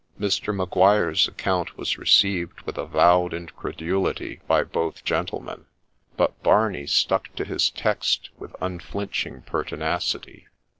Mr. Maguire's account was received with avowed incredulity by both gentlemen ; but Barney stuck to his text with un flinching pertinacity.